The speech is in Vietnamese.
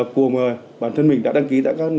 của bản thân mình đã đăng ký